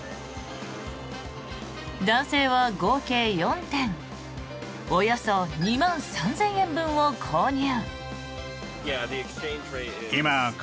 男性は合計４点およそ２万３０００円分を購入。